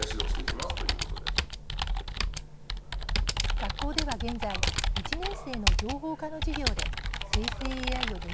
学校では現在１年生の情報科の授業で生成ＡＩを導入しています。